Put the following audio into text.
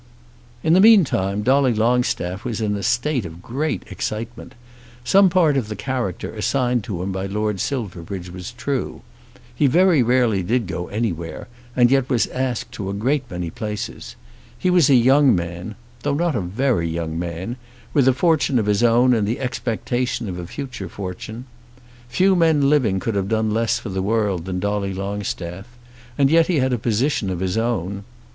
In the meantime Dolly Longstaff was in a state of great excitement. Some part of the character assigned to him by Lord Silverbridge was true. He very rarely did go anywhere, and yet was asked to a great many places. He was a young man, though not a very young man, with a fortune of his own and the expectation of a future fortune. Few men living could have done less for the world than Dolly Longstaff, and yet he had a position of his own.